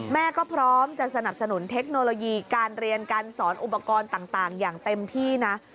แม่ก็พร้อมจะสนับสนุนเทคโนโลยีการเรียนการสอนอุปกรณ์ต่างอย่างเต็มที่นะ